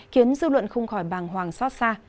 khiến dư luận không khỏi bàng hoàng xót xa